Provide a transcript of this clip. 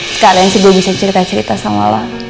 sekalian sih gue bisa cerita cerita sama la